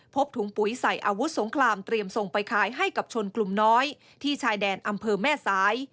พบถุงปุ๋ยใส่อาวุธสงครามเตรียมส่งไปขายให้กับชนกลุ่มน้อยที่ชายแดนอำเภอแม่สาย